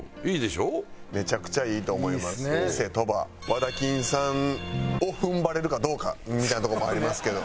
和田金さんを踏ん張れるかどうかみたいなとこもありますけど。